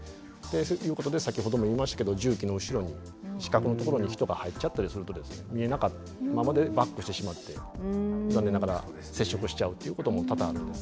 ということで先ほども言いましたけど重機の後ろに死角のところに人が入っちゃったりするとですね見えないままでバックしてしまって残念ながら接触しちゃうっていうことも多々あるんです。